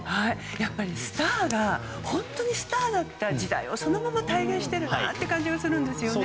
やっぱり、スターが本当にスターだった時代をそのまま体現しているかなという感じがしているんですよね。